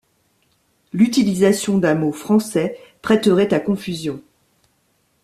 L'utilisation d'un mot français prêterait à confusion.